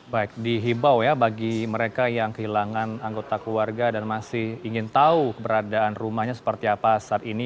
baik dihibau ya bagi mereka yang kehilangan anggota keluarga dan masih ingin tahu keberadaan rumahnya seperti apa saat ini